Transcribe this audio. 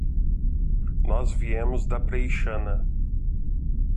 Nós viemos da Preixana.